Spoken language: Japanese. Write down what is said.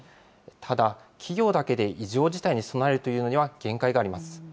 ただ、企業だけで異常事態に備えるというのには、限界があります。